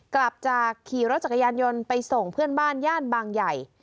กลับจากขี่รถจักรยานยนต์ไปส่งเพื่อนบ้านย่านบางใหญ่